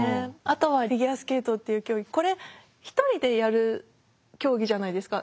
あとはフィギュアスケートっていう競技これ１人でやる競技じゃないですか。